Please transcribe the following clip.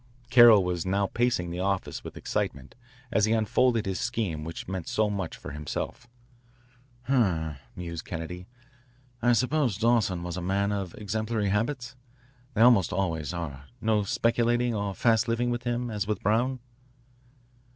Carroll was now pacing the office with excitement as he unfolded his scheme which meant so much for himself. "H m," mused Kennedy. "I suppose Dawson was a man of exemplary habits? They almost always are. No speculating or fast living with him as with Brown?"